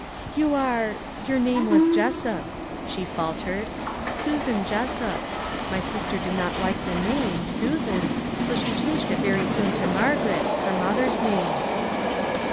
' You are your name was Jessup," she fal tered, " Susan Jessup ; my sister did not like the name Susan, so she changed it very soon to Margaret, her mother's name."